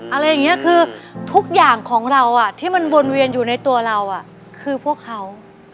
อะไรอย่างนี้คือทุกอย่างของเราที่มันวนเวียนอยู่ในตัวเราคือพวกเขา